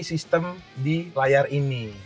sistem di layar ini